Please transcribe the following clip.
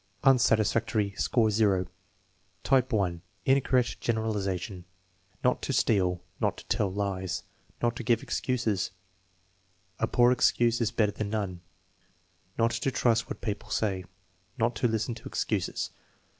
Unsatisfactory; score 0. Type (1), incorrect generalization: "Not to steal." "Not to tell lies." "Not to give excuses." "A poor excuse is better than none." "Not to trust what people say." "Not to listen to excuses."